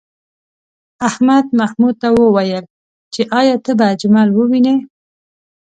احمد محمود ته وویل چې ایا ته به اجمل ووینې؟